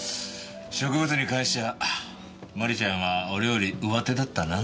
植物に関しちゃ真里ちゃんは俺より上手だったな。